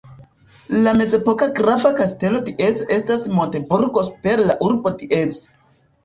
La mezepoka grafa kastelo Diez estas montburgo super la urbo Diez.